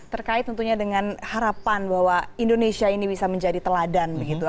terkait tentunya dengan harapan bahwa indonesia ini bisa menjadi teladan begitu